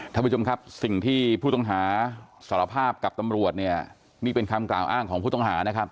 ท่านผู้ชมครับสิ่งที่ผู้ต้องหาสารภาพกับตำรวจเนี่ยนี่เป็นคำกล่าวอ้างของผู้ต้องหานะครับ